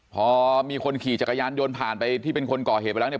พอมีคนขี่จักรยานยนต์ผ่านไปที่เป็นคนก่อเหตุไปแล้วเนี่ย